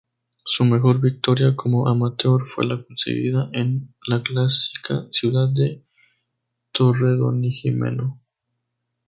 Su mejor victoria como amateur fue la conseguida en la Clásica Ciudad de Torredonjimeno.